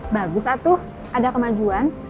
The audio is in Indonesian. bagus atuh ada kemajuan